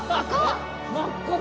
真っ赤だ！